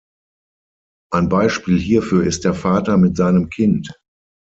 Ein Beispiel hierfür ist der Vater mit seinem Kind.